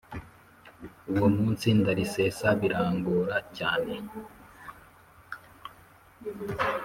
Uwo munsi ndarisesa birangora cyane